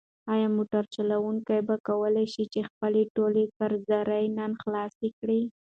ایا موټر چلونکی به وکولی شي چې خپلې ټولې قرضدارۍ نن خلاصې کړي؟